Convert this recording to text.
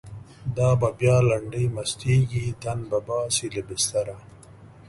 دا به بیا لنډۍ مستیږی، تن به باسی له بستره